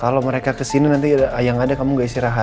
kalau mereka kesini nanti yang ada kamu gak istirahat